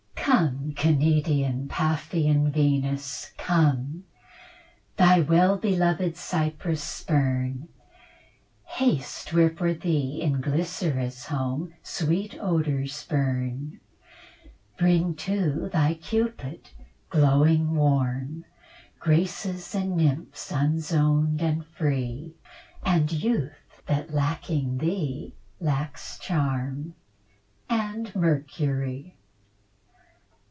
Come, Cnidian, Paphian Venus, come, Thy well beloved Cyprus spurn, Haste, where for thee in Glycera's home Sweet odours burn. Bring too thy Cupid, glowing warm, Graces and Nymphs, unzoned and free, And Youth, that lacking thee lacks charm, And Mercury.